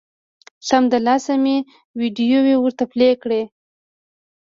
سمدلاسه مې ویډیو ورته پلې کړه